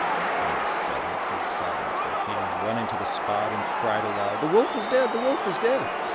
When the seven kids saw that, they came running to the spot and cried aloud, "The wolf is dead! The wolf is dead!"